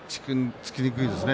突きにくいですね。